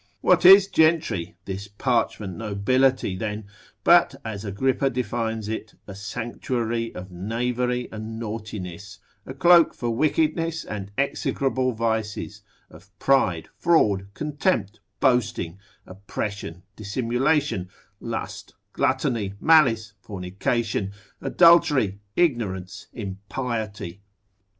What is gentry, this parchment nobility then, but as Agrippa defines it, a sanctuary of knavery and naughtiness, a cloak for wickedness and execrable vices, of pride, fraud, contempt, boasting, oppression, dissimulation, lust, gluttony, malice, fornication, adultery, ignorance, impiety?